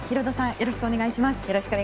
よろしくお願いします。